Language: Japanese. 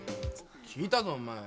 聞いたぞ、お前。